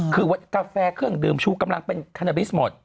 คือกาแฟเครื่องดื่มชูกำลังเป็นคานาบิสหมด